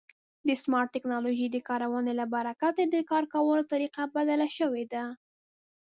د سمارټ ټکنالوژۍ د کارونې له برکته د کار کولو طریقه بدله شوې ده.